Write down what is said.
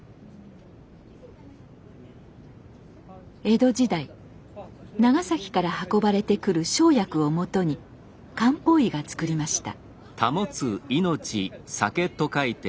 江戸時代長崎から運ばれてくる生薬をもとに漢方医がつくりました。